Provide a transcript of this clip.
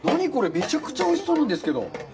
めちゃくちゃおいしそうなんですけど。